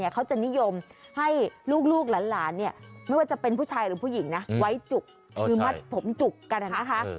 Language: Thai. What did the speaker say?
เขาจะนิยมให้ลูกหลานไม่ว่าจะเป็นผู้ชายหรือผู้หญิงนะไว้จุกคือมัดผมจุกกันนะคะ